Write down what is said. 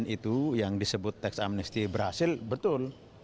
itu yang disebut teks amnesty berhasil betul